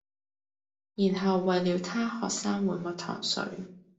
然後餵了她喝三碗蜜糖水